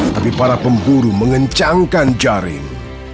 tapi para pemburu mengencangkan jaring